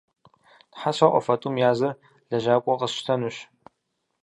Тхьэ соӏуэ, фэ тӏум я зыр лэжьакӏуэ къэсщтэнущ.